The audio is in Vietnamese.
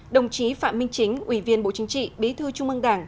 đồng chí phạm minh chính ủy viên bộ chính trị bí thư trung ương đảng